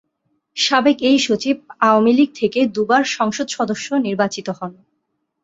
সাবেক এই সচিব আওয়ামী লীগ থেকে দুবার সংসদ সদস্য নির্বাচিত হন।